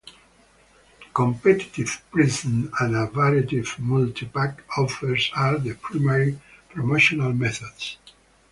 Competitive pricing and a variety of multi-pack offers are the primary promotional methods.